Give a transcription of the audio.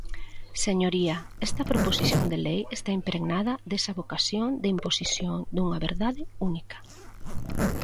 Señoría, esta proposición de lei está impregnada desa vocación de imposición dunha verdade única.